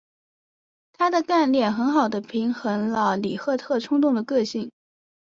她的干练很好地平衡了里赫特冲动的个性。